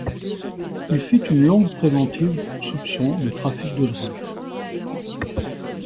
Il fit une longue préventive pour soupçon de trafic de drogue.